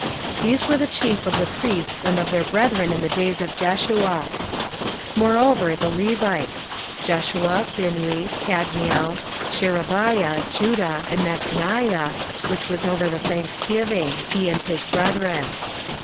These were the chief of the priests and of their brethren in the days of Jeshua. 16:012:008 Moreover the Levites: Jeshua, Binnui, Kadmiel, Sherebiah, Judah, and Mattaniah, which was over the thanksgiving, he and his brethren.